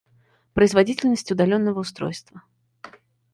Производительность удаленного устройства